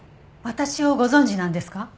私をご存じなんですか？